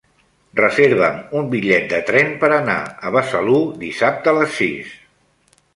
Reserva'm un bitllet de tren per anar a Besalú dissabte a les sis.